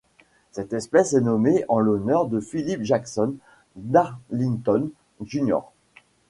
Cette espèce est nommée en l'honneur de Philip Jackson Darlington Jr.